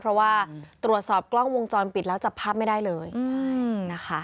เพราะว่าตรวจสอบกล้องวงจรปิดแล้วจับภาพไม่ได้เลยใช่นะคะ